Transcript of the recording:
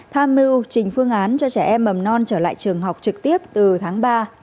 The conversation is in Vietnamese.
tham mưu trình phương án cho trẻ em mầm non trở lại trường học trực tiếp từ tháng ba